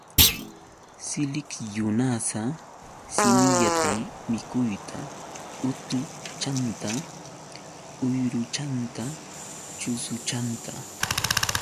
Siliksyunasa simillatam mikuyta, utuchanta, uyruchanta, chusuchanta.